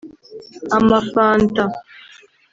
amafanta